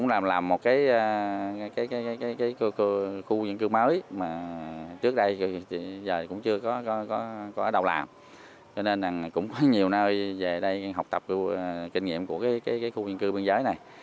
giờ cũng chưa có đâu làm cho nên cũng có nhiều nơi về đây học tập kinh nghiệm của khu dân cư biên giới này